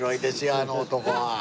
あの男は。